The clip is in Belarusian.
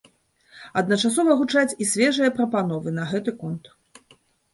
Адначасова гучаць і свежыя прапановы на гэты конт.